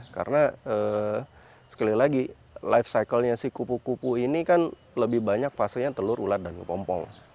karena sekali lagi life cycle nya si kupu kupu ini kan lebih banyak fasenya telur ulat dan ngepompong